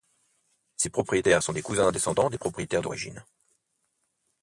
Ses propriétaires sont des cousins descendants des propriétaires d'origine.